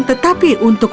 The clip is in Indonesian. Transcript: tetapi untuk emas